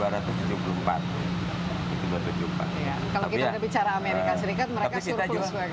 kalau kita berbicara amerika serikat mereka surplus